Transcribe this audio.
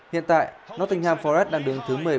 hiện tại nottingham forest đang đứng thứ một mươi bốn